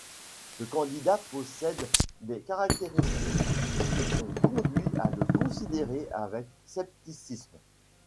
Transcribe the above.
Ce candidat possède des caractéristiques qui ont conduit à le considérer avec scepticisme.